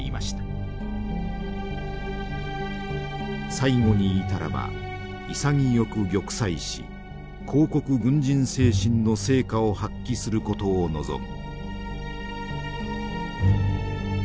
「最後に至らば潔く玉砕し皇国軍人精神の精華を発揮することを望む」。